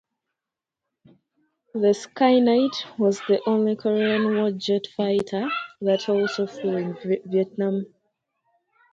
The Skyknight was the only Korean war jet fighter that also flew in Vietnam.